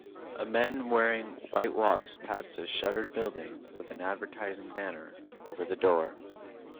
A man wearing white walks passed a shuttered building with an advertising banner over the door.